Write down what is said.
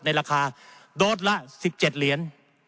ในราคาโดสละ๑๗เหรียญ